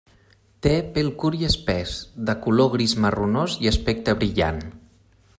Té pèl curt i espès, de color gris-marronós i aspecte brillant.